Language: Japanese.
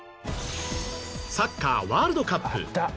サッカーワールドカップ